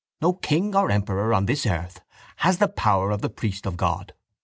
No king or emperor on this earth has the power of the priest of God.